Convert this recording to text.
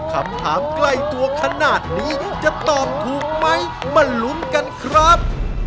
คำถามใกล้ตัวขนาดนี้จะตอบถูกไหมมาลุ้นกันครับ